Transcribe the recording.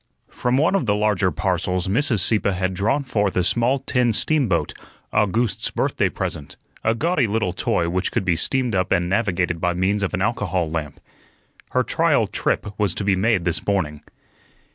From one of the larger parcels Mrs. Sieppe had drawn forth a small tin steamboat August's birthday present a gaudy little toy which could be steamed up and navigated by means of an alcohol lamp. Her trial trip was to be made this morning.